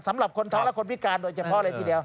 สำหรับคนท้องและคนพิการโดยเฉพาะเลยทีเดียว